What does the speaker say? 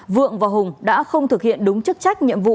vượng và hùng đã không thực hiện đúng chức trách nhiệm vụ